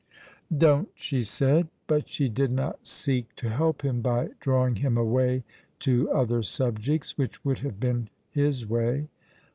"Don't," she said; but she did not seek to help him by drawing him away to other subjects, which would have been his way.